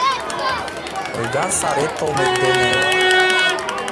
Ойган сарет толмет дене